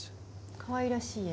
かわいらしい絵？